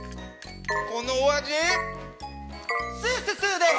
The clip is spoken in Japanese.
このお味、スーススーです。